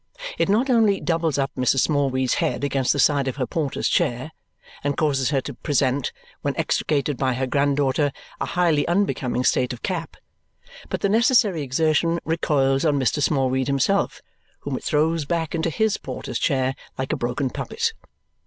It not only doubles up Mrs. Smallweed's head against the side of her porter's chair and causes her to present, when extricated by her granddaughter, a highly unbecoming state of cap, but the necessary exertion recoils on Mr. Smallweed himself, whom it throws back into HIS porter's chair like a broken puppet.